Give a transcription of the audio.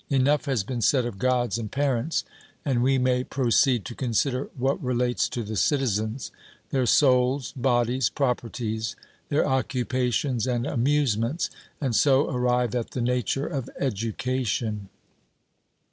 Enough has been said of Gods and parents, and we may proceed to consider what relates to the citizens their souls, bodies, properties, their occupations and amusements; and so arrive at the nature of education.